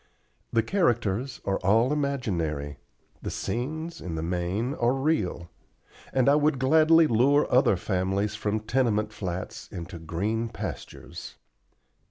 The characters are all imaginary; the scenes, in the main, are real: and I would gladly lure other families from tenement flats into green pastures.